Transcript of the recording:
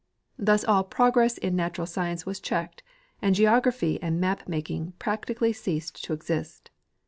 Thus all progress in natural science was checked, and geography and map making practically ceased to exist.